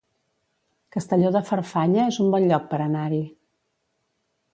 Castelló de Farfanya es un bon lloc per anar-hi